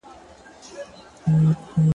دريم ځل هم راځم له تا سره نکاح کومه-